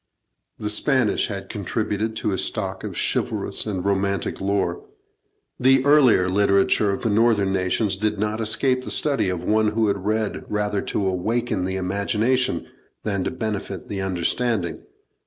The Spanish had contributed to his stock of chivalrous and romantic lore. The earlier literature of the northern nations did not escape the study of one who read rather to awaken the imagination than to benefit the understanding.